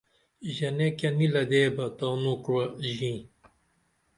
ژنے کیہ نی لدے بہ تانو کوعہ ژیئں